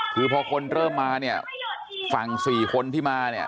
คือพอคนเริ่มมาเนี่ยฝั่งสี่คนที่มาเนี่ย